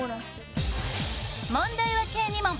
問題は計２問。